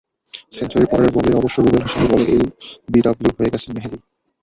সেঞ্চুরির পরের বলেই অবশ্য রুবেল হোসেনের বলে এলবিডব্লু হয়ে গেছেন মেহেদী।